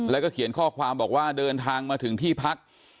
แล้วก็เขียนข้อความบอกว่าเดินทางมาถึงที่พัก